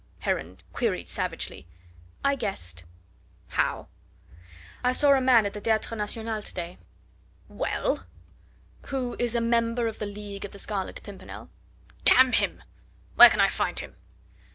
Heron queried savagely. "I guessed." "How?" "I saw a man in the Theatre National to day..." "Well?" "Who is a member of the League of the Scarlet Pimpernel." "D him! Where can I find him?"